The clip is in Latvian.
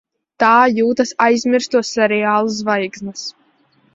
Tā jūtas aizmirsto seriālu zvaigznes.